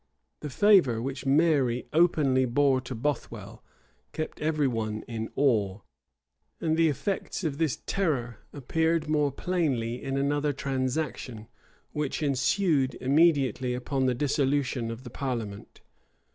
[] The favor which Mary openly bore to Bothwell kept every one in awe; and the effects of this terror appeared more plainly in another transaction, which ensued immediately upon the dissolution of the parliament.